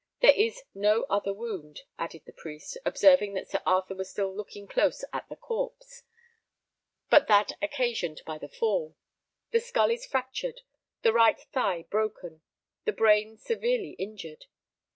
There is no other wound," added the priest, observing that Sir Arthur was still looking close at the corpse, "but that occasioned by the fall. The skull is fractured, the right thigh broken, the brain severely injured.